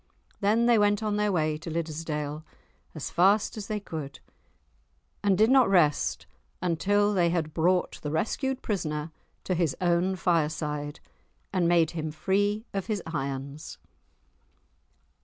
Then they went on their way to Liddesdale, as fast as they could, and did not rest until they had brought the rescued prisoner to his own fireside, and made him free of his irons.